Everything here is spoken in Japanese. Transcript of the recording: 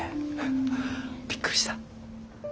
びっくりした。